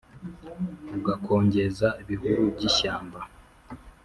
ugakongeza ibihuru by’ishyamba,